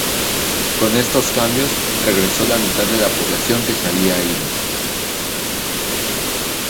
Con estos cambios, regresó la mitad de la población que se había ido.